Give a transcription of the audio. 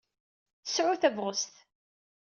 Sɛu tabɣest.